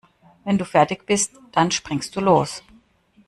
Wenn du fertig bist, dann springst du los.